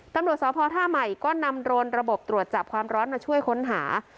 ตำรวจสพท่าใหม่ก็นำโรนระบบตรวจจับความร้อนมาช่วยค้นหา